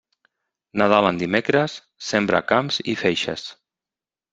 Nadal en dimecres, sembra camps i feixes.